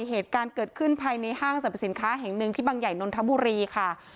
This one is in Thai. เหตุการณ์เกิดขึ้นภายในห้างสรรพสินค้าแห่งหนึ่งที่บังใหญ่นนทบุรีค่ะ